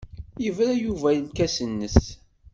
Yebra Yuba i lkas-nnes.